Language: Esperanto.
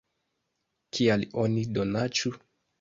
Kial oni donacu?